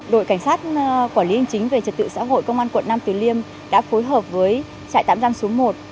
đội cảnh sát quản lý hình chính về trật tự xã hội công an quận nam từ liêm đã phối hợp với trại tạm giam số một